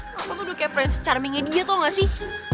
nathan tuh udah kayak friend charmingnya dia tau gak sih